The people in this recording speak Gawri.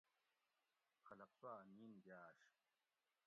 خلق سوآۤ نِین گاۤش